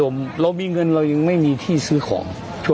มีเงินแต่ไม่มีของ